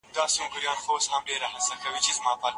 دوی به د غوښتنو د کنټرول لپاره د پخوانیو خلګو کیسې اورېدې.